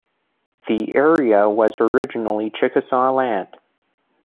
The area was originally Chickasaw land.